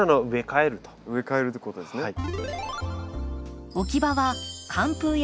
植え替えるということですね。